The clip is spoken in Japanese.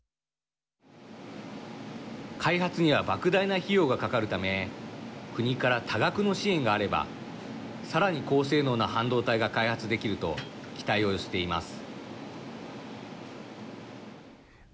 開発にはばく大な費用がかかるため国から多額の支援があればさらに高性能な半導体が開発できると期待を寄せています。